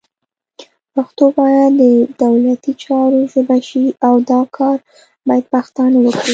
پښتو باید د دولتي چارو ژبه شي، او دا کار باید پښتانه وکړي